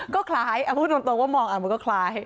ก็คล้ายเอาพูดตรงว่ามองมันก็คล้าย